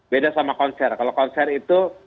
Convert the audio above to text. beda sama konser kalau konser itu